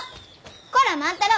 こら万太郎！